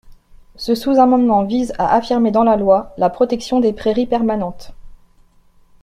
Ce sous-amendement vise à affirmer dans la loi la protection des prairies permanentes.